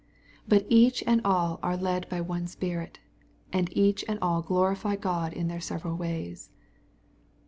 But each and all are led by one Spirit, and each and all glorify God in their several ways.